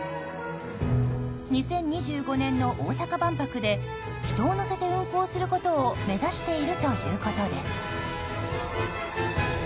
２０２５年の大阪万博で人を乗せて運航することを目指しているということです。